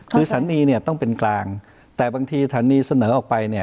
คือสถานีเนี่ยต้องเป็นกลางแต่บางทีสถานีเสนอออกไปเนี่ย